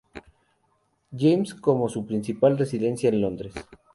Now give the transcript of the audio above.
James como su principal residencia en Londres.